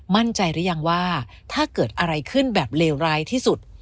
มั่นใจหรือยังว่าถ้าเกิดอะไรขึ้นแบบเลวร้ายที่สุด